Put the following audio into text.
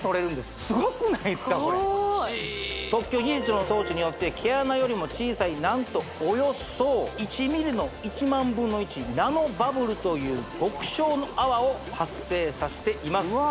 すごくないっすかこれすごい特許技術の装置によって毛穴よりも小さい何とおよそ１ｍｍの１万分の１ナノバブルという極小の泡を発生させていますうわ